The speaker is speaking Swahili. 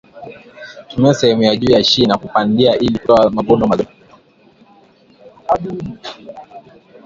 tumia sehemu ya juu ya shina kupandia ili hutoa mavuno mazuri